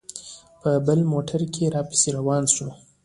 په بل موټر کې را پسې روان شو.